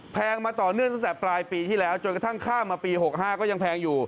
แพงมาต่อเนื่องตั้งแต่ปลายปีที่แล้วจนกระทั่งข้ามมาปี๖๕ก็ยังแพงอยู่